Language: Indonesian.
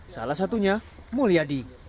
salah satunya mulyadi